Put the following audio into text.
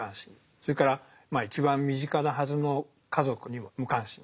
それから一番身近なはずの家族にも無関心なんですね。